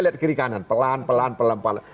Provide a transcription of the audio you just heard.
lihat kiri kanan pelan pelan pelan pelan